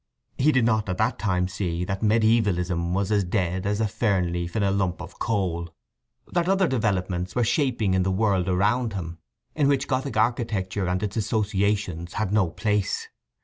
He did not at that time see that mediævalism was as dead as a fern leaf in a lump of coal; that other developments were shaping in the world around him, in which Gothic architecture and its associations had no place.